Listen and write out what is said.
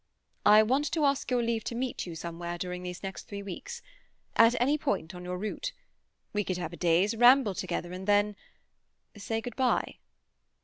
"I want to ask your leave to meet you somewhere during these next three weeks. At any point on your route. We could have a day's ramble together, and then—say good bye."